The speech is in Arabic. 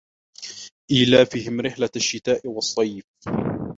إِيلَافِهِمْ رِحْلَةَ الشِّتَاءِ وَالصَّيْفِ